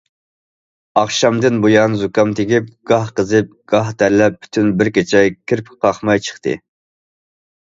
ئاخشامدىن بۇيان زۇكام تېگىپ، گاھ قىزىپ، گاھ تەرلەپ پۈتۈن بىر كېچە كىرپىك قاقماي چىقتى.